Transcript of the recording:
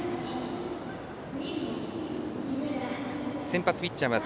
先発ピッチャーは辻。